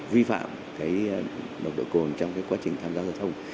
vi phạm đội cồn trong quá trình tham gia giao thông